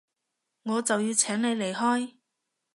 我就要請你離開